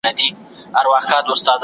په ښوونځي کي فساد نه سته.